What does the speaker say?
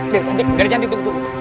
dede cantik dede cantik tunggu tunggu